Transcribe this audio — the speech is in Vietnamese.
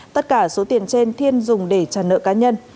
tất cả số tiền trên thiên dùng để trả nợ cá nhân